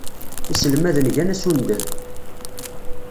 Iselmaden gan asunded.